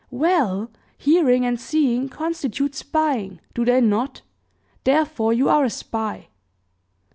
"Well, hearing and seeing constitute spying, do they not? Therefore, you are a spy."